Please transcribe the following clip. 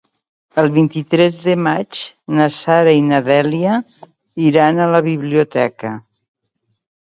El vint-i-tres de maig na Sara i na Dèlia iran a la biblioteca.